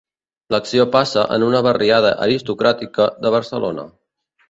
L'acció passa en una barriada aristocràtica de Barcelona.